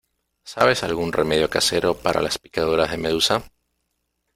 ¿Sabes algún remedio casero para las picaduras de medusa?